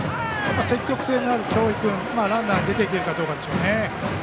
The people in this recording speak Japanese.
積極性のある京井君ランナーが出て行けるかどうかでしょうね。